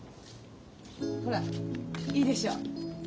ほらいいでしょ？